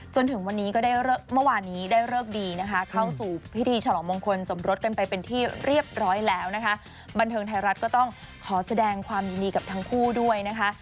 จนถึงวันนี้ก็ได้เมื่อวานนี้ได้เลิกดีนะคะเข้าสู่พิธีฉลองมงคลสมรสกันไปเป็นที่เรียบร้อยแล้วนะคะบันเทิงไทยรัฐก็ต้องขอแสดงความยินดีกับทั้งคู่ด้วยนะคะ